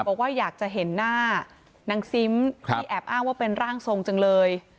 บอกว่าอยากจะเห็นหน้านางซิมที่แอบอ้างว่าเป็นร่างทรงจังเลย